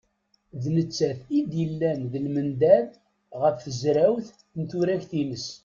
D nettat i d-yellan d lmendad ɣef tezrawt n turagt-ines.